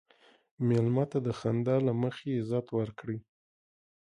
مېلمه ته د خندا له مخې عزت ورکړه.